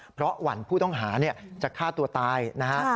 เพราะหวั่นผู้ต้องหาจะฆ่าตัวตายนะฮะ